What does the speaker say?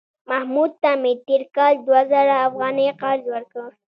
محمود ته مې تېر کال دوه زره افغانۍ قرض ورکړ